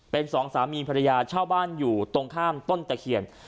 เป็นสองสามีพระยาชาวบ้านอยู่ตรงข้ามต้นจักรเทียน